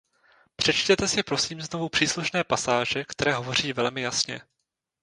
Přečtěte si prosím znovu příslušné pasáže, které hovoří velmi jasně.